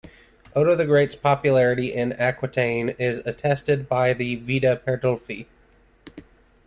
Odo the Great's popularity in Aquitaine is attested by the "Vita Pardulfi".